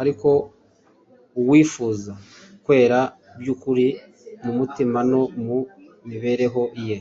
Ariko uwifuza kwera by’ukuri mu mutima no mu mibereho ye,